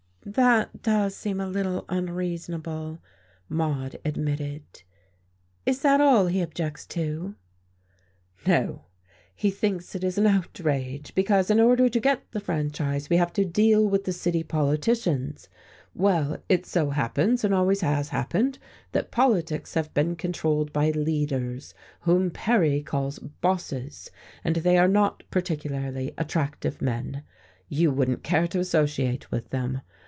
"That does seem a little unreasonable," Maude admitted. "Is that all he objects to?" "No, he thinks it an outrage because, in order to get the franchise, we have to deal with the city politicians. Well, it so happens, and always has happened, that politics have been controlled by leaders, whom Perry calls 'bosses,' and they are not particularly attractive men. You wouldn't care to associate with them.